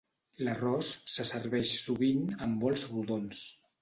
L'arròs se serveix sovint en bols rodons.